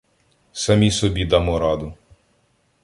Самі собі дамо раду.